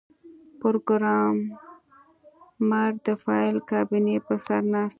پروګرامر د فایل کابینې په سر ناست و